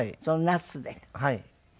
はい。